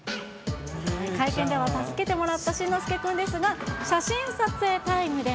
会見では助けてもらった新之助君ですが、写真撮影タイムでは。